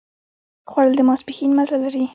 خوړل د ماسپښين مزه لري